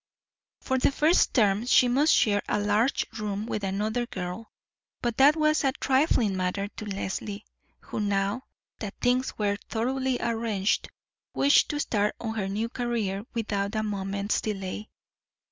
For the first term she must share a large room with another girl; but that was a trifling matter to Leslie, who, now that things were thoroughly arranged, wished to start on her new career without a moment's delay.